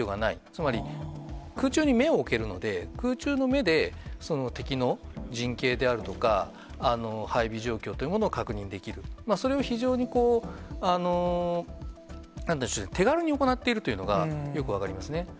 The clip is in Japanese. つまり空中に目を置けるので、空中の目で、敵の陣形であるとか、配備状況というものを確認できる、それを非常に手軽に行っているというのがよく分かりますね。